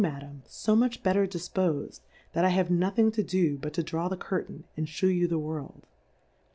Madam, fo much better difpofed, that I have nothing to do but to draw the Curtain, and fliew you the V/orld.